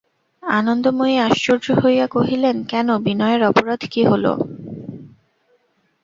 আনন্দময়ী আশ্চর্য হইয়া কহিলেন, কেন, বিনয়ের অপরাধ কী হল?